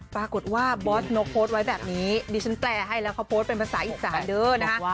ปรากฏว่าบอสนกโพสต์ไว้แบบนี้ดิฉันแปลให้แล้วเขาโพสต์เป็นภาษาอีสานเด้อนะคะ